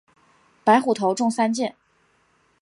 白虎头中三箭。